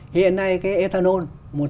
hiện nay cái ethanol một trăm linh